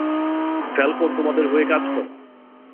Falcone তোমাদের হয়ে কাজ করে?